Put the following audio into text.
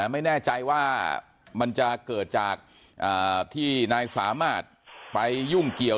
ไม่แน่ใจว่ามันจะเกิดจากที่นายสามารถไปยุ่งเกี่ยว